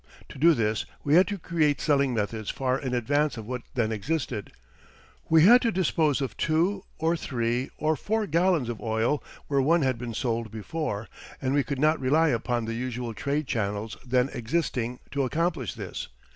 To do this we had to create selling methods far in advance of what then existed; we had to dispose of two, or three, or four gallons of oil where one had been sold before, and we could not rely upon the usual trade channels then existing to accomplish this.